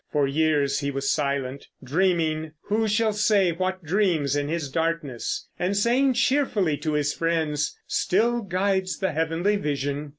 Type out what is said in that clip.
For years he was silent, dreaming who shall say what dreams in his darkness, and saying cheerfully to his friends, "Still guides the heavenly vision."